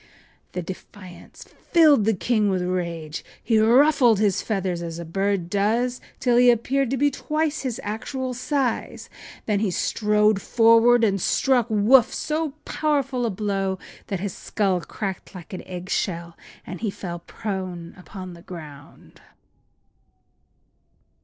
” The defiance filled the king with rage. He ruffled his feathers as a bird does, till he appeared to be twice his actual size, and then he strode forward and struck Woof so powerful a blow that his skull crackled like an egg shell and he fell prone upon the ground.